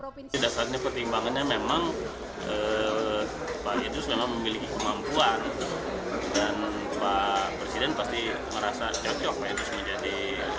di dasarnya pertimbangannya memang pak idrus memang memiliki kemampuan dan pak presiden pasti merasa cocok pak idrus menjadi